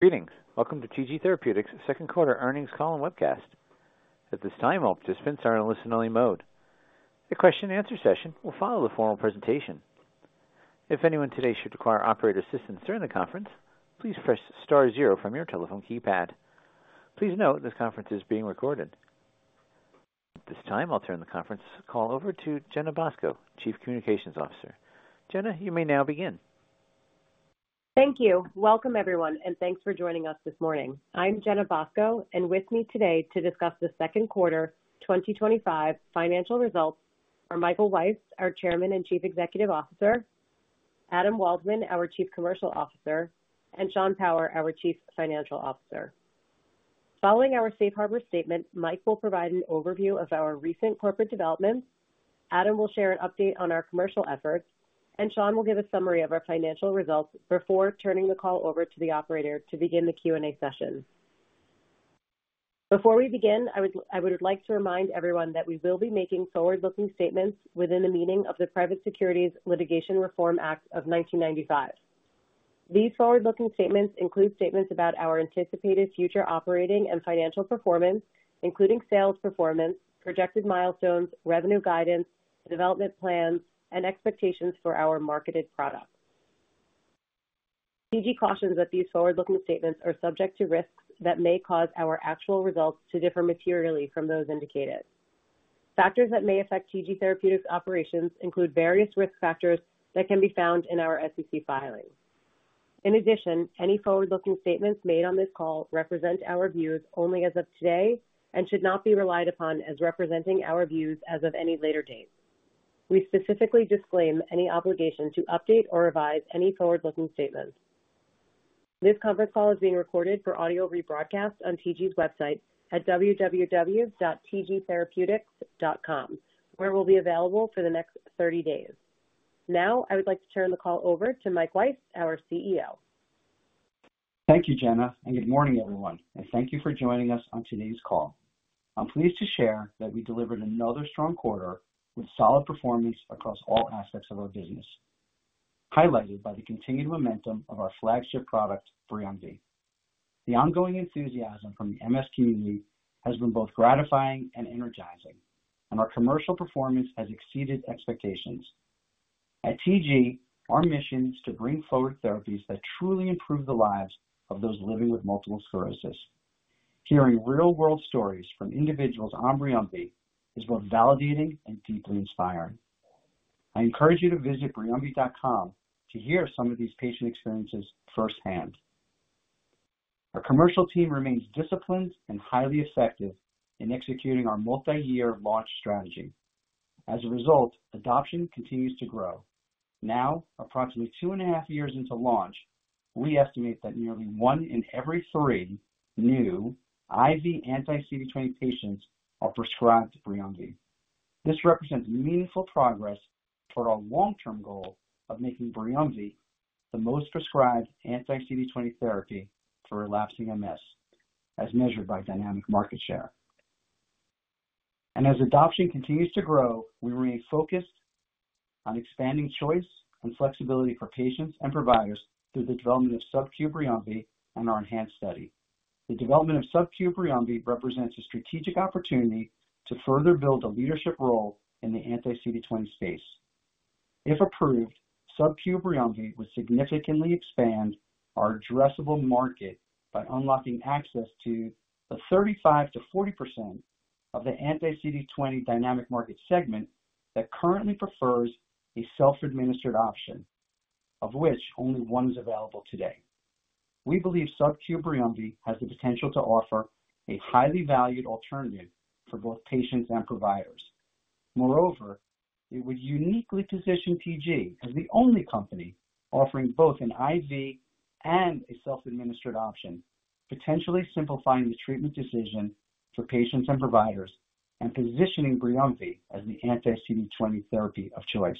Greetings. Welcome to TG Therapeutics' Second Quarter Earnings Call and Webcast. At this time, all participants are in a listen-only mode. The question and answer session will follow the formal presentation. If anyone today should require operator assistance during the conference, please press star zero from your telephone keypad. Please note this conference is being recorded. At this time, I'll turn the conference call over to Jenna Bosco, Chief Communications Officer. Jenna, you may now begin. Thank you. Welcome, everyone, and thanks for joining us this morning. I'm Jenna Bosco, and with me today to discuss the Second Quarter 2025 Financial Results are Michael Weiss, our Chairman and Chief Executive Officer, Adam Waldman, our Chief Commercial Officer, and Sean Power, our Chief Financial Officer. Following our safe harbor statement, Mike will provide an overview of our recent corporate developments, Adam will share an update on our commercial efforts, and Sean will give a summary of our financial results before turning the call over to the operator to begin the Q&A session. Before we begin, I would like to remind everyone that we will be making forward-looking statements within the meaning of the Private Securities Litigation Reform Act of 1995. These forward-looking statements include statements about our anticipated future operating and financial performance, including sales performance, projected milestones, revenue guidance, development plans, and expectations for our marketed products. TG cautions that these forward-looking statements are subject to risks that may cause our actual results to differ materially from those indicated. Factors that may affect TG Therapeutics' operations include various risk factors that can be found in our SEC filing. In addition, any forward-looking statements made on this call represent our views only as of today and should not be relied upon as representing our views as of any later date. We specifically disclaim any obligation to update or revise any forward-looking statements. This conference call is being recorded for audio rebroadcast on TG's website at www.tgtherapeutics.com, where it will be available for the next 30 days. Now, I would like to turn the call over to Mike Weiss, our CEO. Thank you, Jenna, and good morning, everyone, and thank you for joining us on today's call. I'm pleased to share that we delivered another strong quarter with solid performance across all aspects of our business, highlighted by the continued momentum of our flagship product, BRIUMVI. The ongoing enthusiasm from the MS community has been both gratifying and energizing, and our commercial performance has exceeded expectations. At TG, our mission is to bring forward therapies that truly improve the lives of those living with multiple sclerosis. Hearing real-world stories from individuals on BRIUMVI is both validating and deeply inspiring. I encourage you to visit briumvi.com to hear some of these patient experiences firsthand. Our commercial team remains disciplined and highly effective in executing our multi-year launch strategy. As a result, adoption continues to grow. Now, approximately two and a half years into launch, we estimate that nearly one in every three new IV anti-CD20 patients are prescribed BRIUMVI. This represents meaningful progress toward our long-term goal of making BRIUMVI the most prescribed anti-CD20 therapy for relapsing MS, as measured by dynamic market share. As adoption continues to grow, we remain focused on expanding choice and flexibility for patients and providers through the development of SubQ BRIUMVI and our ENHANCE study. The development of SubQ BRIUMVI represents a strategic opportunity to further build a leadership role in the anti-CD20 space. If approved, SubQ BRIUMVI would significantly expand our addressable market by unlocking access to the 35%-40% of the anti-CD20 dynamic market segment that currently prefers a self-administered option, of which only one is available today. We believe SubQ BRIUMVI has the potential to offer a highly valued alternative for both patients and providers. Moreover, it would uniquely position TG as the only company offering both an IV and a self-administered option, potentially simplifying the treatment decision for patients and providers and positioning BRIUMVI as the anti-CD20 therapy of choice.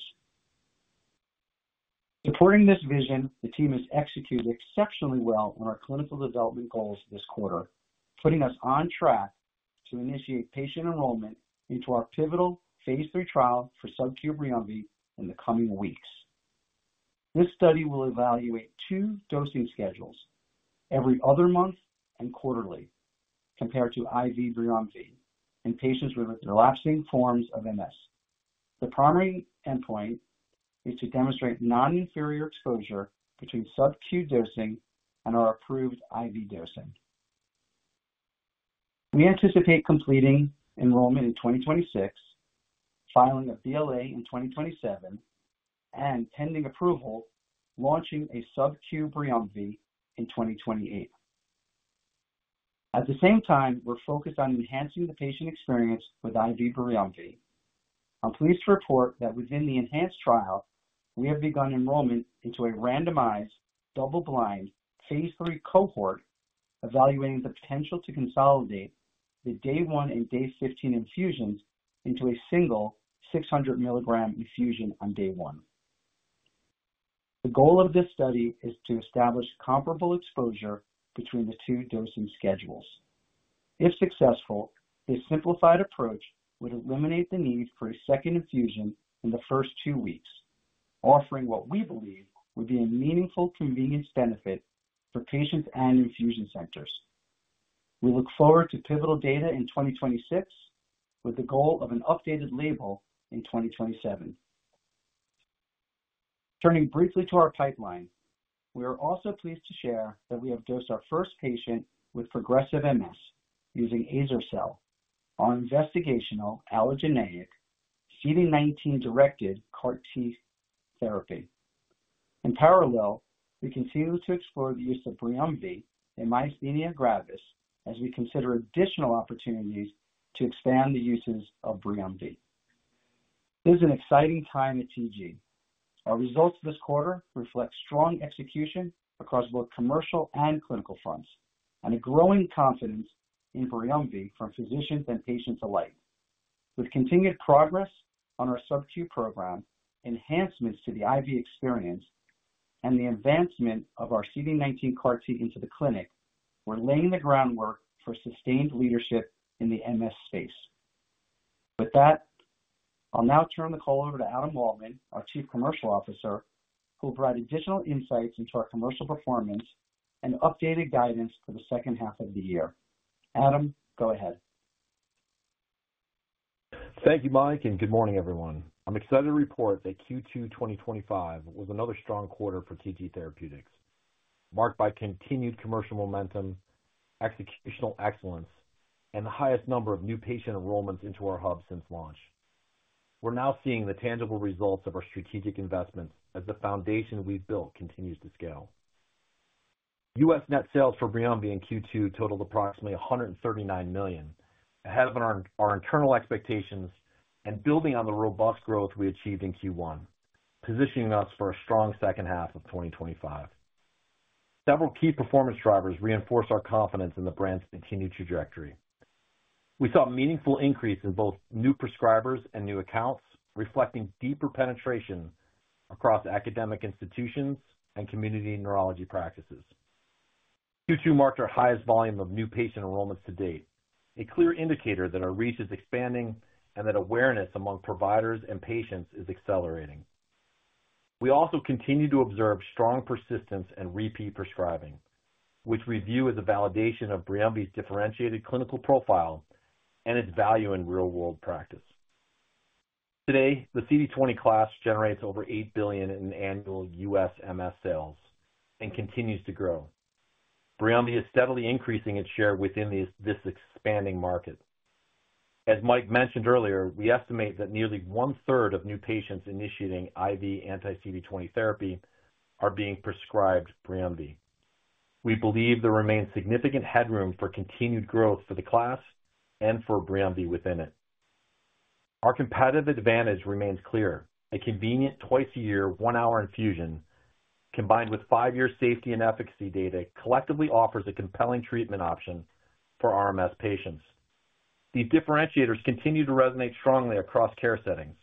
Supporting this vision, the team has executed exceptionally well on our clinical development goals this quarter, putting us on track to initiate patient enrollment into our pivotal phase III trial for SubQ BRIUMVI in the coming weeks. This study will evaluate two dosing schedules: every other month and quarterly, compared to IV BRIUMVI in patients with relapsing forms of MS. The primary endpoint is to demonstrate non-inferior exposure between SubQ dosing and our approved IV dosing. We anticipate completing enrollment in 2026, filing a BLA in 2027, and pending approval, launching a SubQ BRIUMVI in 2028. At the same time, we're focused on enhancing the patient experience with IV BRIUMVI. I'm pleased to report that within the ENHANCE trial, we have begun enrollment into a randomized, double-blind phase III cohort, evaluating the potential to consolidate the day one and day 15 infusions into a single 600 mg infusion on day one. The goal of this study is to establish comparable exposure between the two dosing schedules. If successful, a simplified approach would eliminate the need for a second infusion in the first two weeks, offering what we believe would be a meaningful convenience benefit for patients and infusion centers. We look forward to pivotal data in 2026, with the goal of an updated label in 2027. Turning briefly to our pipeline, we are also pleased to share that we have dosed our first patient with progressive MS using azer-cel, an investigational, allogeneic, CD19-directed CAR T therapy. In parallel, we continue to explore the use of BRIUMVI in myasthenia gravis as we consider additional opportunities to expand the uses of BRIUMVI. It is an exciting time at TG. Our results of this quarter reflect strong execution across both commercial and clinical fronts and a growing confidence in BRIUMVI from physicians and patients alike. With continued progress on our SubQ program, enhancements to the IV experience, and the advancement of our CD19 CAR T into the clinic, we're laying the groundwork for sustained leadership in the MS space. With that, I'll now turn the call over to Adam Waldman, our Chief Commercial Officer, who will provide additional insights into our commercial performance and updated guidance for the second half of the year. Adam, go ahead. Thank you, Mike, and good morning, everyone. I'm excited to report that Q2 2025 was another strong quarter for TG Therapeutics, marked by continued commercial momentum, executional excellence, and the highest number of new patient enrollments into our hub since launch. We're now seeing the tangible results of our strategic investments as the foundation we've built continues to scale. U.S. net sales for BRIUMVI in Q2 totaled approximately $139 million, ahead of our internal expectations and building on the robust growth we achieved in Q1, positioning us for a strong second half of 2025. Several key performance drivers reinforce our confidence in the brand's continued trajectory. We saw a meaningful increase in both new prescribers and new accounts, reflecting deeper penetration across academic institutions and community neurology practices. Q2 marked our highest volume of new patient enrollments to date, a clear indicator that our reach is expanding and that awareness among providers and patients is accelerating. We also continue to observe strong persistence in repeat prescribing, which we view as a validation of BRIUMVI's differentiated clinical profile and its value in real-world practice. Today, the anti-CD20 class generates over $8 billion in annual U.S. MS sales and continues to grow. BRIUMVI is steadily increasing its share within this expanding market. As Mike mentioned earlier, we estimate that nearly one-third of new patients initiating IV anti-CD20 therapy are being prescribed BRIUMVI. We believe there remains significant headroom for continued growth for the class and for BRIUMVI within it. Our competitive advantage remains clear: a convenient twice-a-year, one-hour infusion, combined with five-year safety and efficacy data, collectively offers a compelling treatment option for RMS patients. These differentiators continue to resonate strongly across care settings,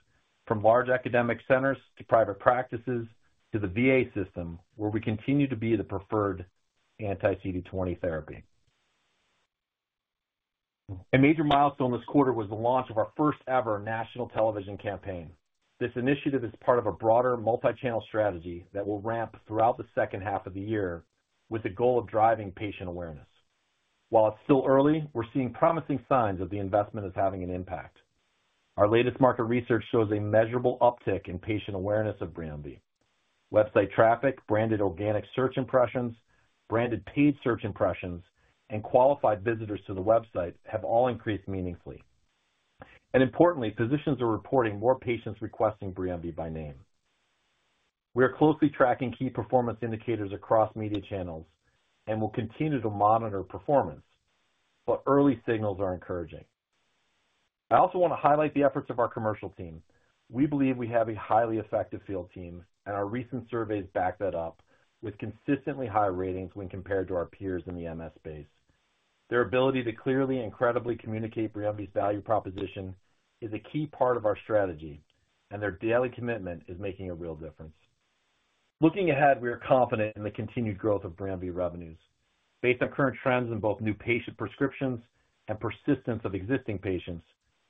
from large academic centers to private practices to the VA system, where we continue to be the preferred anti-CD20 therapy. A major milestone this quarter was the launch of our first-ever national television campaign. This initiative is part of a broader multi-channel strategy that will ramp throughout the second half of the year, with the goal of driving patient awareness. While it's still early, we're seeing promising signs of the investment as having an impact. Our latest market research shows a measurable uptick in patient awareness of BRIUMVI. Website traffic, branded organic search impressions, branded paid search impressions, and qualified visitors to the website have all increased meaningfully. Importantly, physicians are reporting more patients requesting BRIUMVI by name. We are closely tracking key performance indicators across media channels and will continue to monitor performance, but early signals are encouraging. I also want to highlight the efforts of our commercial team. We believe we have a highly effective field team, and our recent surveys back that up with consistently high ratings when compared to our peers in the MS space. Their ability to clearly and credibly communicate BRIUMVI's value proposition is a key part of our strategy, and their daily commitment is making a real difference. Looking ahead, we are confident in the continued growth of BRIUMVI revenues. Based on current trends in both new patient prescriptions and persistence of existing patients,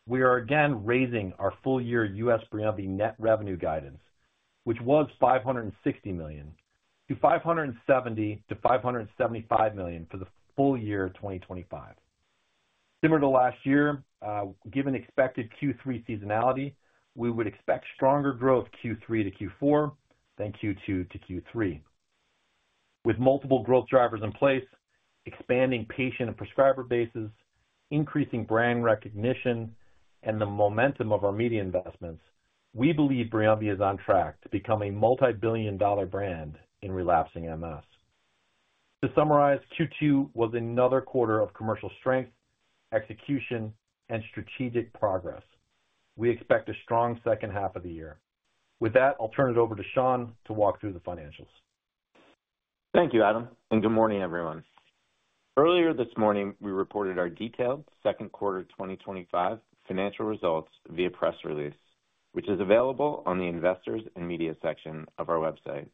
we are again raising our full-year U.S. BRIUMVI net revenue guidance, which was $560 million, to $570 million-$575 million for the full year of 2025. Similar to last year, given expected Q3 seasonality, we would expect stronger growth Q3 to Q4 than Q2 to Q3. With multiple growth drivers in place, expanding patient and prescriber bases, increasing brand recognition, and the momentum of our media investments, we believe BRIUMVI is on track to become a multi-billion dollar brand in relapsing MS. To summarize, Q2 was another quarter of commercial strength, execution, and strategic progress. We expect a strong second half of the year. With that, I'll turn it over to Sean to walk through the financials. Thank you, Adam, and good morning, everyone. Earlier this morning, we reported our detailed second quarter 2025 financial results via press release, which is available on the Investors and Media section of our website.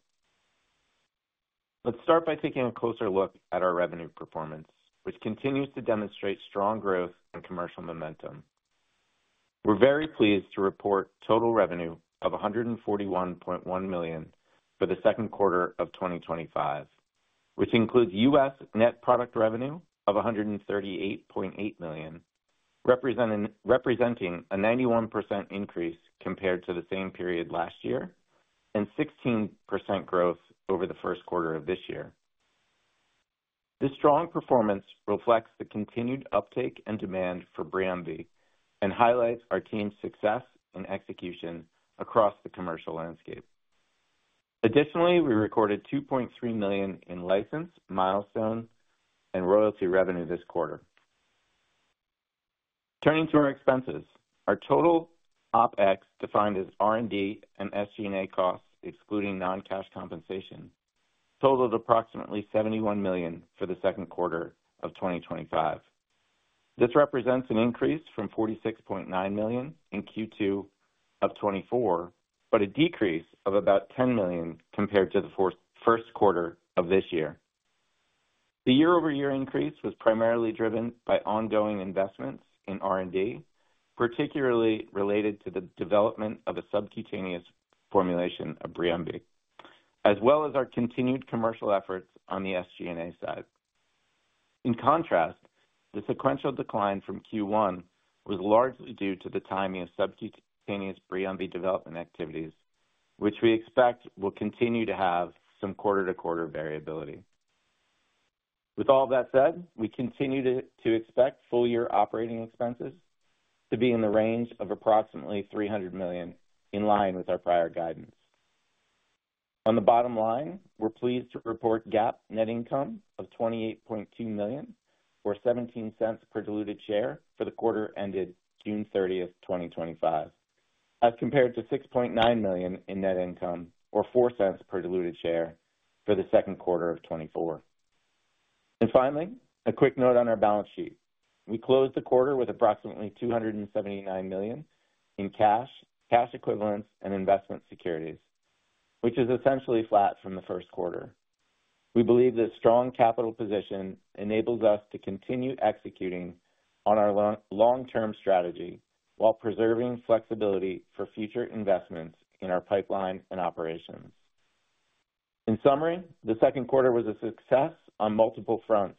Let's start by taking a closer look at our revenue performance, which continues to demonstrate strong growth and commercial momentum. We're very pleased to report total revenue of $141.1 million for the second quarter of 2025, which includes U.S. net product revenue of $138.8 million, representing a 91% increase compared to the same period last year and 16% growth over the first quarter of this year. This strong performance reflects the continued uptake and demand for BRIUMVI and highlights our team's success in execution across the commercial landscape. Additionally, we recorded $2.3 million in license, milestone, and royalty revenue this quarter. Turning to our expenses, our total OpEx, defined as R&D and SG&A costs, excluding non-cash compensation, totaled approximately $71 million for the second quarter of 2025. This represents an increase from $46.9 million in Q2 of 2024, but a decrease of about $10 million compared to the first quarter of this year. The year-over-year increase was primarily driven by ongoing investments in R&D, particularly related to the development of a subcutaneous formulation of BRIUMVI, as well as our continued commercial efforts on the SG&A side. In contrast, the sequential decline from Q1 was largely due to the timing of subcutaneous BRIUMVI development activities, which we expect will continue to have some quarter-to-quarter variability. With all of that said, we continue to expect full-year operating expenses to be in the range of approximately $300 million, in line with our prior guidance. On the bottom line, we're pleased to report a GAAP net income of $28.2 million, or $0.17 per diluted share for the quarter ended June 30th, 2025, as compared to $6.9 million in net income, or $0.04 per diluted share for the second quarter of 2024. Finally, a quick note on our balance sheet. We closed the quarter with approximately $279 million in cash, cash equivalents, and investment securities, which is essentially flat from the first quarter. We believe this strong capital position enables us to continue executing on our long-term strategy while preserving flexibility for future investments in our pipeline and operations. In summary, the second quarter was a success on multiple fronts,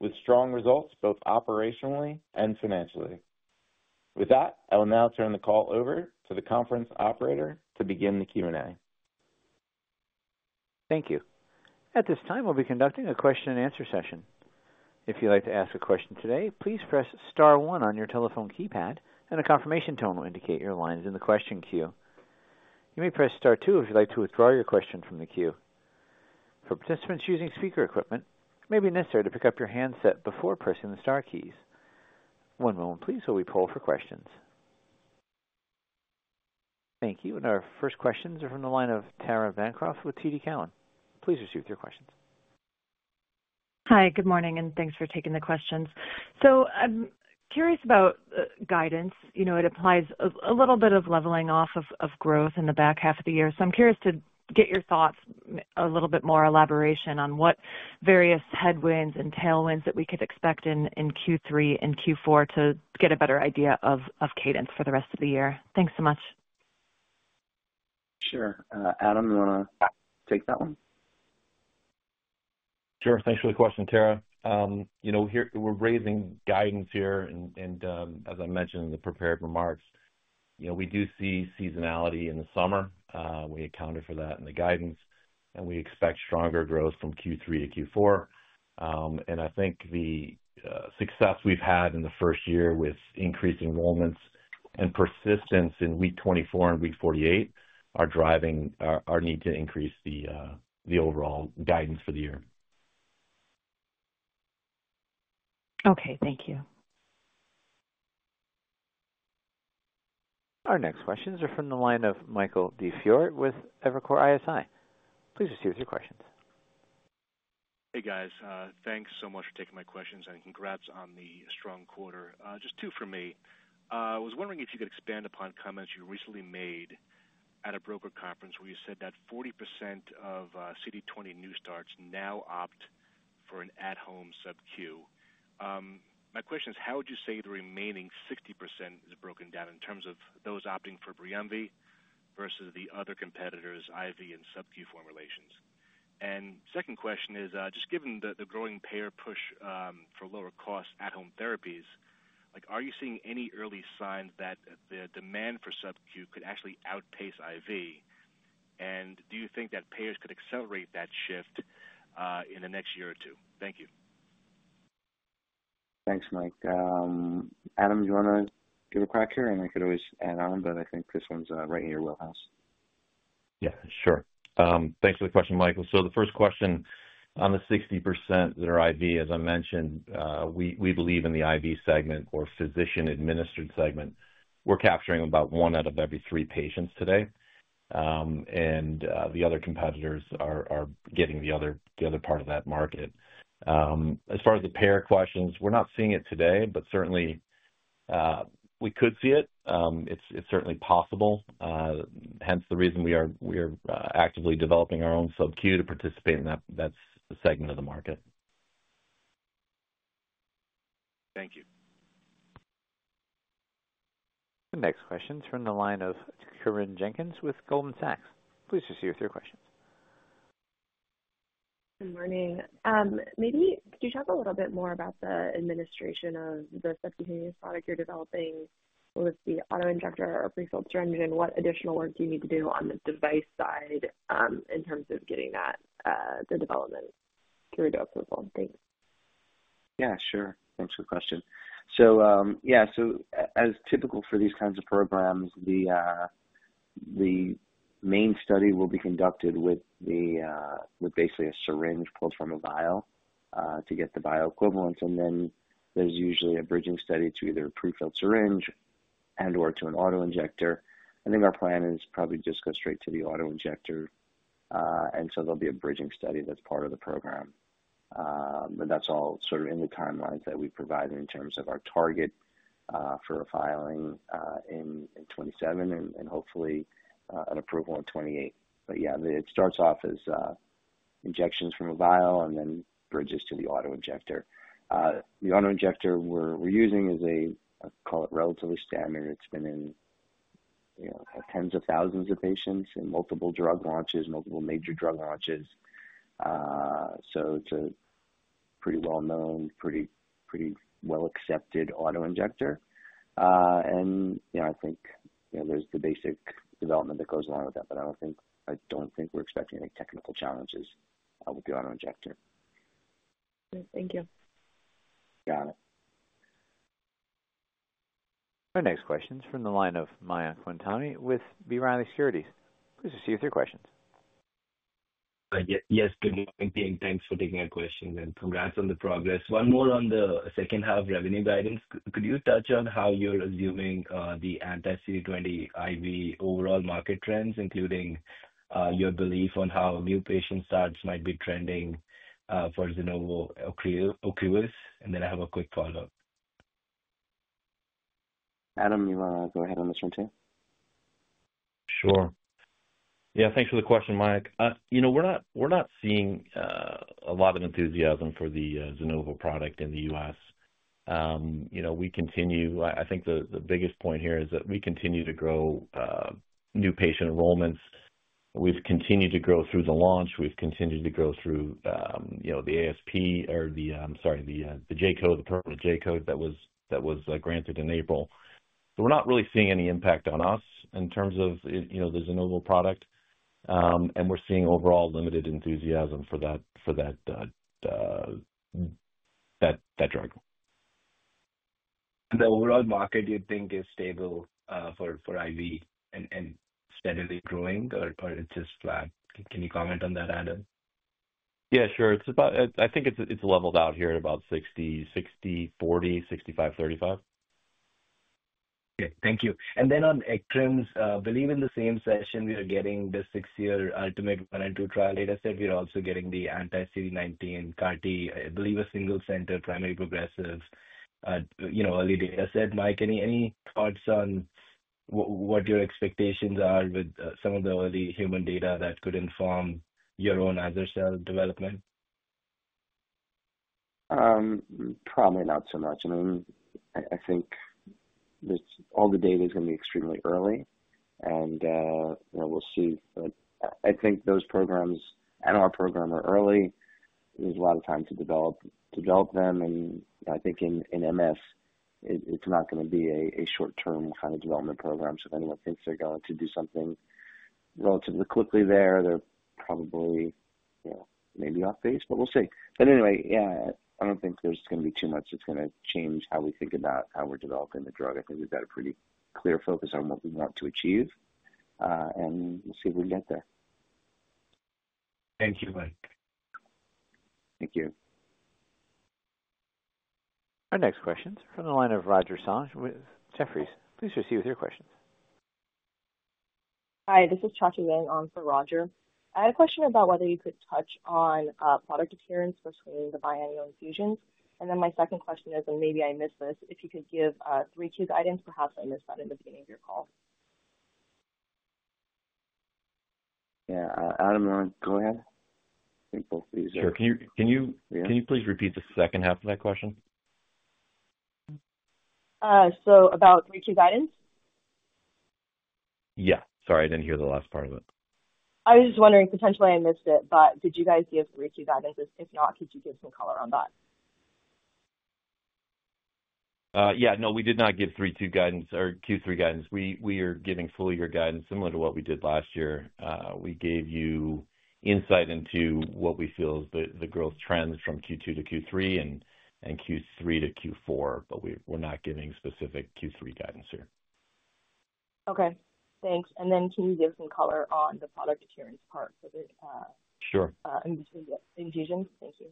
with strong results both operationally and financially. With that, I will now turn the call over to the conference operator to begin the Q&A. Thank you. At this time, we'll be conducting a question and answer session. If you'd like to ask a question today, please press star one on your telephone keypad, and a confirmation tone will indicate your line is in the question queue. You may press star two if you'd like to withdraw your question from the queue. For participants using speaker equipment, it may be necessary to pick up your handset before pressing the star keys. One moment, please, while we poll for questions. Thank you. Our first questions are from the line of Tara Bancroft with TD Cowen. Please proceed with your questions. Hi, good morning, and thanks for taking the questions. I'm curious about guidance. It implies a little bit of leveling off of growth in the back half of the year. I'm curious to get your thoughts, a little bit more elaboration on what various headwinds and tailwinds that we could expect in Q3 and Q4 to get a better idea of cadence for the rest of the year. Thanks so much. Sure. Adam, you want to take that one? Sure. Thanks for the question, Tara. We're raising guidance here, and as I mentioned in the prepared remarks, we do see seasonality in the summer. We accounted for that in the guidance, and we expect stronger growth from Q3 to Q4. I think the success we've had in the first year with increased enrollments and persistence in week 24 and week 48 are driving our need to increase the overall guidance for the year. Okay, thank you. Our next questions are from the line of Michael DiFiore with Evercore ISI. Please proceed with your questions. Hey, guys. Thanks so much for taking my questions, and congrats on the strong quarter. Just two from me. I was wondering if you could expand upon comments you recently made at a broker conference where you said that 40% of CD20 new starts now opt for an at-home SubQ. My question is, how would you say the remaining 60% is broken down in terms of those opting for BRIUMVI versus the other competitors, IV and SubQ formulations? The second question is, just given the growing payer push for lower cost at-home therapies, are you seeing any early signs that the demand for SubQ could actually outpace IV? Do you think that payers could accelerate that shift in the next year or two? Thank you. Thanks, Mike. Adam, do you want to give a crack here? I could always add on, but I think this one's right in your wheelhouse. Yeah, sure. Thanks for the question, Michael. The first question on the 60% that are IV, as I mentioned, we believe in the IV segment or physician-administered segment. We're capturing about one out of every three patients today, and the other competitors are getting the other part of that market. As far as the payer questions, we're not seeing it today, but certainly, we could see it. It's certainly possible. Hence the reason we are actively developing our own SubQ to participate in that segment of the market. Thank you. The next question is from the line of Corinne Jenkins with Goldman Sachs. Please proceed with your questions. Good morning. Maybe could you talk a little bit more about the administration of the subcutaneous product you're developing with the autoinjector or pre-filled syringe? What additional work do you need to do on the device side in terms of getting that development through the approval? Thanks. Yeah, sure. Thanks for the question. As typical for these kinds of programs, the main study will be conducted with basically a syringe pulled from a vial to get the bioequivalence. There's usually a bridging study to either a pre-filled syringe and/or to an autoinjector. I think our plan is probably to just go straight to the autoinjector. There'll be a bridging study that's part of the program. That's all sort of in the timelines that we provide in terms of our target for a filing in 2027 and hopefully an approval in 2028. It starts off as injections from a vial and then bridges to the autoinjector. The autoinjector we're using is, I call it, relatively standard. It's been in tens of thousands of patients in multiple drug launches, multiple major drug launches. It's a pretty well-known, pretty well-accepted autoinjector. I think there's the basic development that goes along with that, but I don't think we're expecting any technical challenges with the autoinjector. Great. Thank you. Got it. Our next question is from the line of Mayank Mamtani with B. Riley Securities. Please proceed with your questions. Yes. Good morning, again. Thanks for taking our questions and congrats on the progress. One more on the second half revenue guidance. Could you touch on how you're assuming the anti-CD20 IV overall market trends, including your belief on how new patient starts might be trending for BRIUMVI or Ocrevus? I have a quick follow-up. Adam, you want to go ahead on this one too? Sure. Yeah, thanks for the question, Mike. We're not seeing a lot of enthusiasm for the Zinovo product in the U.S. I think the biggest point here is that we continue to grow new patient enrollments. We've continued to grow through the launch. We've continued to grow through the ASP, or the, I'm sorry, the J code, the J code that was granted in April. We're not really seeing any impact on us in terms of the Zinovo product. We're seeing overall limited enthusiasm for that drug. The overall market, do you think, is stable for IV and steadily growing, or it's just flat? Can you comment on that, Adam? Yeah, sure. I think it's leveled out here at about 60/40, 65/35. Okay. Thank you. On ECTRIMS, I believe in the same session, we are getting the six-year ULTIMATE I and II trial data set. We are also getting the anti-CD19 CAR T, I believe a single center primary progressive, early data set. Mike, any thoughts on what your expectations are with some of the early human data that could inform your own azer-cel development? Probably not so much. I mean, I think all the data is going to be extremely early, and we'll see. I think those programs and our program are early. We use a lot of time to develop them. I think in MS, it's not going to be a short-term kind of development program. If anyone thinks they're going to do something relatively quickly there, they're probably, you know, maybe off base, but we'll see. Anyway, yeah, I don't think there's going to be too much that's going to change how we think about how we're developing the drug. I think we've got a pretty clear focus on what we want to achieve, and we'll see if we can get there. Thank you, Mike. Thank you. Our next question is from the line of Roger Song with Jefferies. Please proceed with your questions. Hi, this is Chachi Nguyen on for Roger. I had a question about whether you could touch on product adherence for screening the biannual infusions. My second question is, and maybe I missed this, if you could give 3Q guidance. Perhaps I missed that in the beginning of your call. Yeah, Adam, go ahead. I think both of these are. Sure. Can you please repeat the second half of that question? About 3Q guidance? Yeah, sorry, I didn't hear the last part of it. I was just wondering, potentially I missed it, but did you guys give 3Q guidance? If not, could you give some color on that? Yeah. No, we did not give Q3 guidance. We are giving full-year guidance similar to what we did last year. We gave you insight into what we feel is the growth trends from Q2 to Q3 and Q3 to Q4, but we're not giving specific Q3 guidance here. Okay. Thanks. Can you give some color on the product adherence part for the. Sure. In between the infusions? Thank you.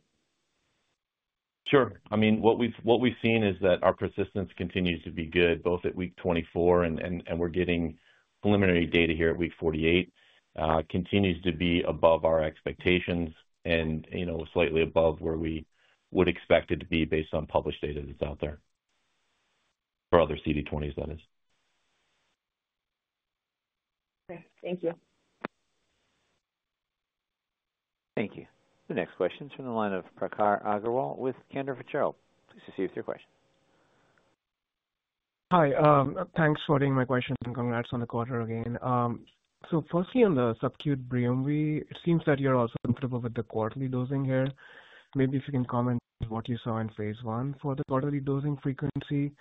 Sure. What we've seen is that our persistence continues to be good, both at week 24, and we're getting preliminary data here at week 48. It continues to be above our expectations and, you know, slightly above where we would expect it to be based on published data that's out there for other anti-CD20s, that is. Okay, thank you. Thank you. The next question is from the line of Prakhar Agrawal with Cantor Fitzgerald. Please proceed with your question. Hi. Thanks for taking my question and congrats on the quarter again. Firstly, on the SubQ BRIUMVI, it seems that you're also comfortable with the quarterly dosing here. Maybe if you can comment on what you saw in phase I for the quarterly dosing frequency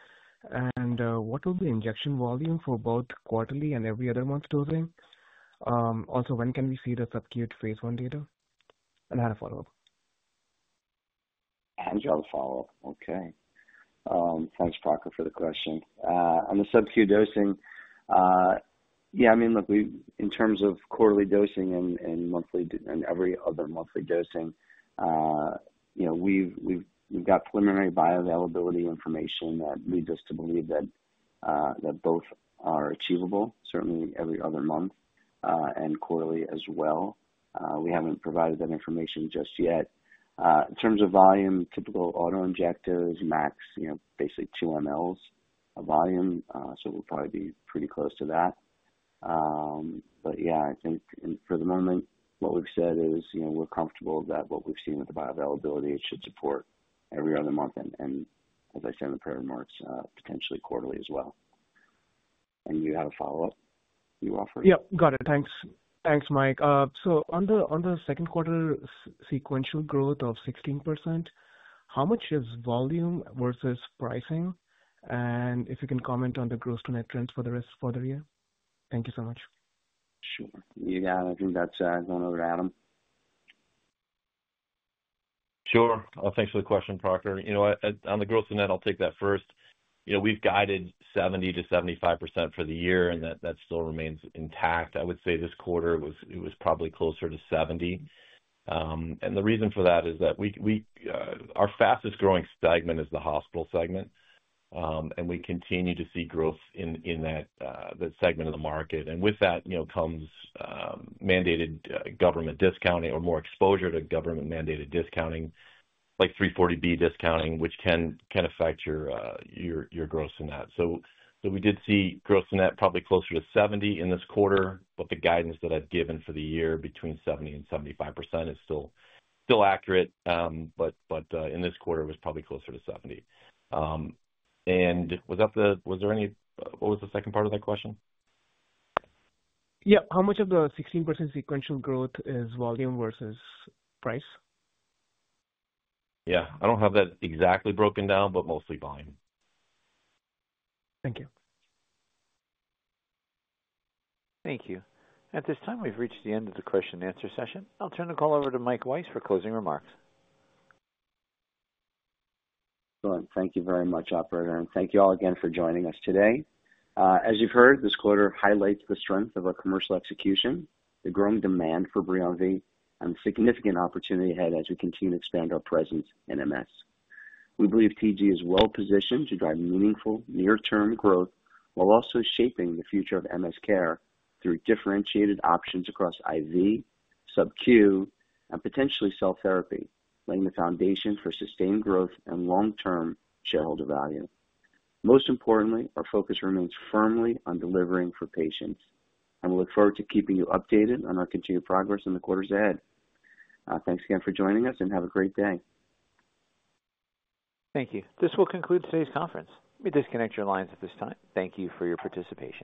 and what will be injection volume for both quarterly and every other month dosing. Also, when can we see the SubQ phase I data? I have a follow-up. You have a follow-up. Okay. Thanks, Prakhar, for the question. On the SubQ dosing, yeah, I mean, look, in terms of quarterly dosing and monthly and every other monthly dosing, you know, we've got preliminary bioavailability information that leads us to believe that both are achievable, certainly every other month and quarterly as well. We haven't provided that information just yet. In terms of volume, typical autoinjectors max, you know, basically 2 ml of volume. We'll probably be pretty close to that. I think for the moment, what we've said is, you know, we're comfortable that what we've seen with the bioavailability should support every other month and, as I said in the prior remarks, potentially quarterly as well. You have a follow-up you offer? Got it. Thanks. Thanks, Mike. On the second quarter sequential growth of 16%, how much is volume versus pricing? If you can comment on the growth trend for the rest of the year. Thank you so much. Sure. You got it. I think that's going over to Adam. Sure. Thanks for the question, Prakhar. On the growth trend, I'll take that first. We've guided 70%-75% for the year, and that still remains intact. I would say this quarter it was probably closer to 70%. The reason for that is that our fastest growing segment is the hospital segment, and we continue to see growth in that segment of the market. With that comes mandated government discounting or more exposure to government-mandated discounting, like 340B discounting, which can affect your growth in that. We did see growth in that probably closer to 70% in this quarter, but the guidance that I've given for the year between 70% and 75% is still accurate. In this quarter, it was probably closer to 70%. Was there any—what was the second part of that question? Yeah, how much of the 16% sequential growth is volume versus price? Yeah, I don't have that exactly broken down, but mostly volume. Thank you. Thank you. At this time, we've reached the end of the question and answer session. I'll turn the call over to Michael Weiss for closing remarks. Excellent. Thank you very much, operator. Thank you all again for joining us today. As you've heard, this quarter highlights the strength of our commercial execution, the growing demand for BRIUMVI, and the significant opportunity ahead as we continue to expand our presence in MS. We believe TG is well-positioned to drive meaningful near-term growth while also shaping the future of MS care through differentiated options across IV, SubQ, and potentially cell therapy, laying the foundation for sustained growth and long-term shareholder value. Most importantly, our focus remains firmly on delivering for patients. We look forward to keeping you updated on our continued progress in the quarters ahead. Thanks again for joining us, and have a great day. Thank you. This will conclude today's conference. We will disconnect your lines at this time. Thank you for your participation.